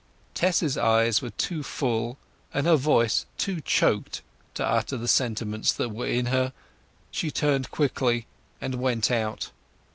Tess's eyes were too full and her voice too choked to utter the sentiments that were in her. She turned quickly, and went out.